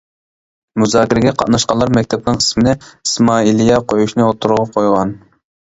مۇزاكىرىگە قاتناشقانلار مەكتەپنىڭ ئىسمىنى «ئىسمائىلىيە» قۇيۇشنى ئوتتۇرىغا قويغان.